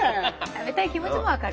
食べたい気持ちもわかる。